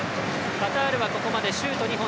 カタールはここまでシュート２本。